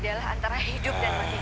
aku tidak mau